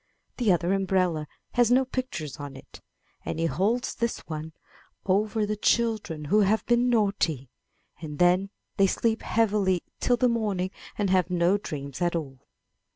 The other umbrella has no pictures on it, and he holds this one over the children who have been naughty, and then they sleep heavily till the morning and have no dreams at all.